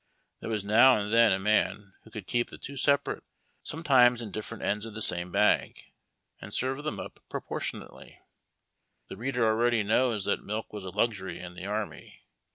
There was now and then a man who could keep the two separate, sometimes in different ends of tlie same bag, and serve them up proportionall}*. The reader already knows that milk was a luxury in the arn^y.